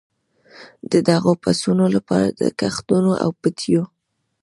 د دغو پسونو لپاره د کښتونو او پټیو.